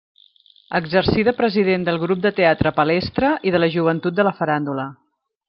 Exercí de president del grup de teatre Palestra i de la Joventut de la Faràndula.